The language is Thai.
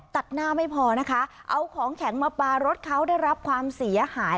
ตัดหน้าไม่พอนะคะเอาของแข็งมาปลารถเขาได้รับความเสียหาย